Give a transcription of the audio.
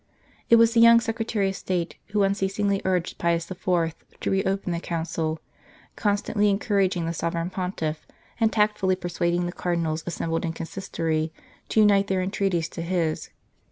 It was the young Secretary of State who un ceasingly urged Pius IV. to reopen the Council, constantly encouraging the Sovereign Pontiff, and tactfully persuading the Cardinals assembled in Consistory to unite their entreaties to his.